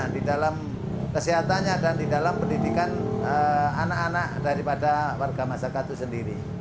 di dalam kesehatannya dan di dalam pendidikan anak anak daripada warga masyarakat itu sendiri